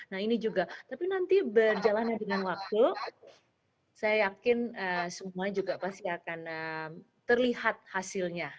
nah ini juga tapi nanti berjalannya dengan waktu saya yakin semua juga pasti akan terlihat hasilnya